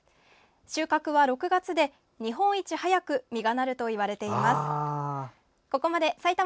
収穫は６月で日本一早く実がなるといわれています。